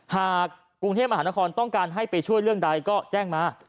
หากกรุงเทพมหานครต้องการให้ไปช่วยเรื่องใดก็แจ้งมา